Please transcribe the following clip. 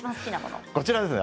こちらです。